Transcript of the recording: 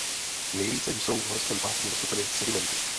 Nejvíce jsou v horském pásmu zastoupeny sedimenty.